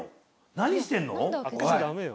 何してんの？